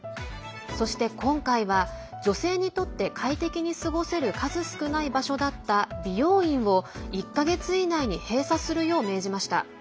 そして、今回は女性にとって快適に過ごせる数少ない場所だった美容院を１か月以内に閉鎖するよう命じました。